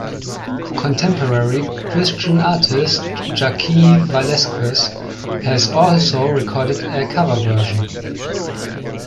Contemporary Christian artist Jaci Velasquez has also recorded a cover version.